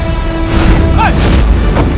nabi qara datang